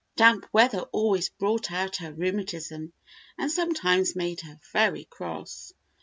Damp weather always brought out her rheumatism, and sometimes made her very cross.